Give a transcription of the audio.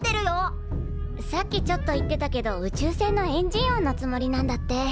さっきちょっと言ってたけど宇宙船のエンジン音のつもりなんだって。